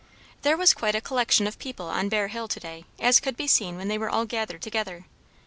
There was quite a collection of people on Bear Hill to day, as could be seen when they were all gathered together.